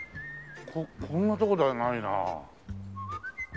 こんなとこではないな。